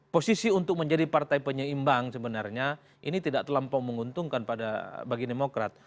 posisi untuk menjadi partai penyeimbang sebenarnya ini tidak terlampau menguntungkan bagi demokrat